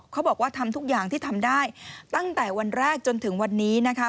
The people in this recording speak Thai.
เขาบอกว่าทำทุกอย่างที่ทำได้ตั้งแต่วันแรกจนถึงวันนี้นะคะ